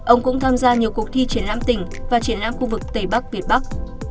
ông cũng tham gia nhiều cuộc thi triển lãm tỉnh và triển lãm khu vực tây bắc việt bắc